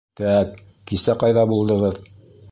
— Тәк, кисә ҡайҙа булдығыҙ?